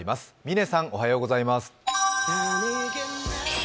嶺さん、おはようございます。